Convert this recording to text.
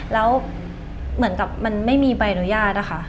แล้วเหมือนกับมันไม่มีใบอนุญาตนะคะ